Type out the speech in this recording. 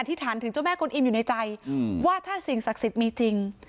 ฐานถึงเจ้าแม่กลอิมอยู่ในใจว่าถ้าสิ่งศักดิ์สิทธิ์มีจริง